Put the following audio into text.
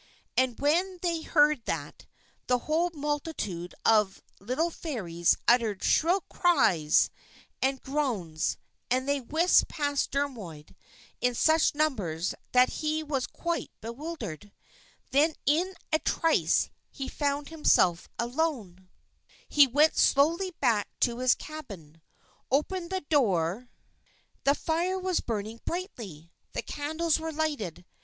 And when they heard that, the whole multitude of little Fairies uttered shrill cries and groans; and they whisked past Dermod in such numbers that he was quite bewildered. Then in a trice he found himself alone. [Illustration: "DERMOD GAZED AT THEM IN WONDER"] He went slowly back to his cabin. He opened the door. The fire was burning brightly. The candles were lighted.